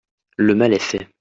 Le mal est fait.